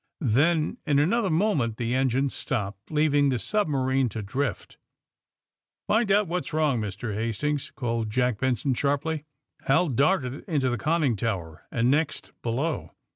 Then, in another moment the engine stopped, leaving the submarine to drift. *^Pind out what's wrong, Mr. Hastings!" called Jack Benson sharply. Hal darted into the conning tower, and next below.